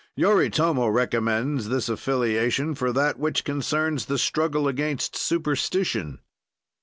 Yoritomo recommends this affiliation for that which concerns the struggle against superstition.